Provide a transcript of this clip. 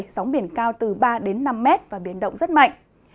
sóng biển cao từ ba năm m và biển động rất mạnh